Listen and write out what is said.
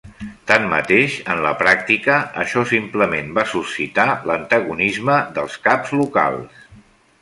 Tanmateix, en la pràctica, això simplement va suscitar l'antagonisme dels caps locals.